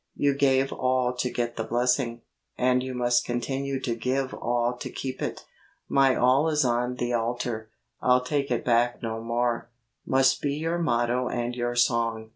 You gave all to get the blessing, and you must continue to give all to keep it. My all is on the altar, I'll take it back no more, must be your motto and your song.